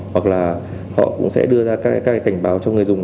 hoặc là họ cũng sẽ đưa ra các cái cảnh báo cho người dùng